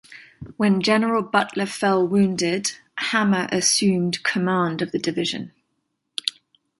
When General Butler fell wounded, Hamer assumed command of the division.